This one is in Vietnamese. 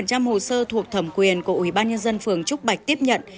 một trăm linh hồ sơ thuộc thẩm quyền của ủy ban nhân dân phường trúc bạch tiếp nhận